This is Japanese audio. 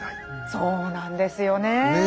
そうなんですよねえ。